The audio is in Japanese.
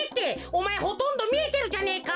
おまえほとんどみえてるじゃねえか。